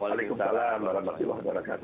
waalaikumsalam warahmatullahi wabarakatuh